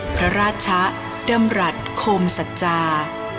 พระราชะดำรัฐโคมสัจจา